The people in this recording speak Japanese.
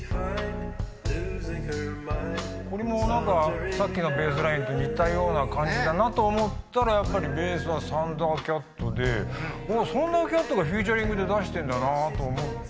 これもさっきのベースラインと似たような感じだなと思ったらやっぱりベースはサンダーキャットでおおサンダーキャットがフィーチャリングで出してんだなと思って。